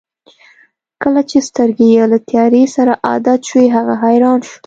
کله چې سترګې یې له تیارې سره عادت شوې هغه حیران شو.